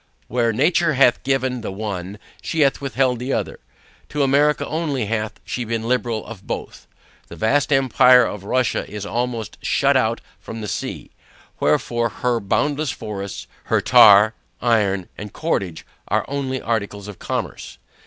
Where nature hath given the one, she has withheld the other; to America only hath she been liberal of both. The vast empire of Russia is almost shut out from the sea; wherefore, her boundless forests, her tar, iron, and cordage are only articles of commerce.